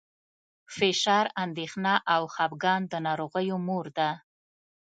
فشار، اندېښنه او خپګان د ناروغیو مور ده.